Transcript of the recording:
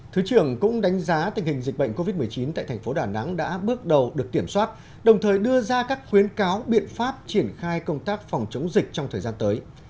thứ trưởng cũng đánh giá tình hình dịch bệnh covid một mươi chín tại thành phố đà nẵng đã bước đầu được kiểm soát đồng thời đưa ra các khuyến cáo biện pháp triển khai công tác phòng chống dịch trong thời gian tới